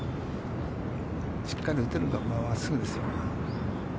しっかり打てれば、真っすぐですよ。